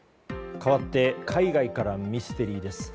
かわって海外からミステリーです。